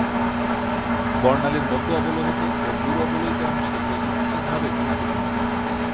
বর্ণালির মধ্য-অবলোহিত ও দূর-অবলোহিত অংশে এটি বিশেষভাবে গুরুত্বপূর্ণ।